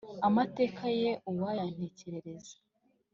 amateka ye uwayantekerereza